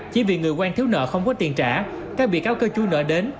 chỉ vì người quen thiếu nợ không có tiền trả các bị cáo cơ chui nợ đến